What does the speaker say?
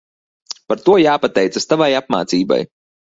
Par to jāpateicas tavai apmācībai.